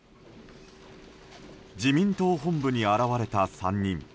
自民党本部に現れた３人。